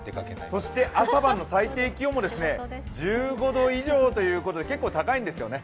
そして朝晩の最低気温も１５度以上ということで結構高いんですよね。